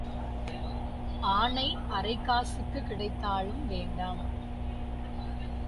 ஆனை அரைக் காசுக்குக் கிடைத்தாலும் வேண்டாம்.